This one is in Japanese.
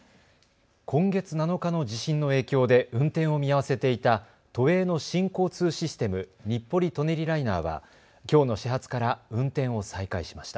今月７日の地震の影響で運転を見合わせていた都営の新交通システム、日暮里・舎人ライナーはきょうの始発から運転を再開しました。